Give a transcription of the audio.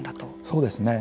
そうですね。